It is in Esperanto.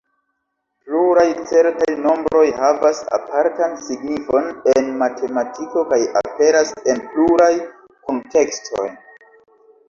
Pluraj certaj nombroj havas apartan signifon en matematiko, kaj aperas en pluraj kuntekstoj.